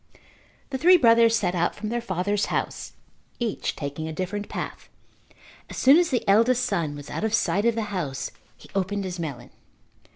The three brothers set out from their father's house, each taking a different path. As soon as the eldest son was out of sight of the house he opened his melon.